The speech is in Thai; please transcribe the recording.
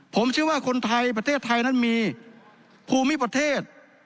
ผมเชื่อว่าคนไทยประเทศไทยนั้นมีภูมิประเทศ